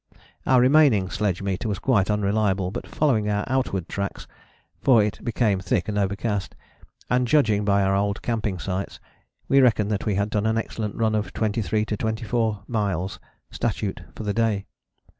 " Our remaining sledge meter was quite unreliable, but following our outward tracks (for it became thick and overcast), and judging by our old camping sites, we reckoned that we had done an excellent run of 23 to 24 miles (statute) for the day.